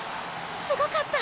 すごかった。